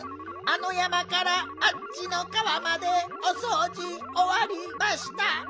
あの山からあっちの川までおそうじおわりました。